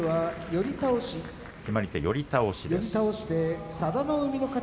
決まり手は寄り倒しです。